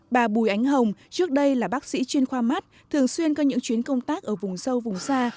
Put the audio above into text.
bà bùi ánh hồng trước đây là bác sĩ chuyên khoa mắt thường xuyên có những chuyến công tác ở vùng sâu vùng xa